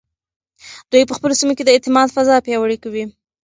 دوی په خپلو سیمو کې د اعتماد فضا پیاوړې کوي.